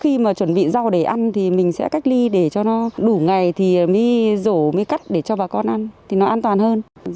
khi mà chuẩn bị rau để ăn thì mình sẽ cách ly để cho nó đủ ngày thì mới rổ mới cắt để cho bà con ăn thì nó an toàn hơn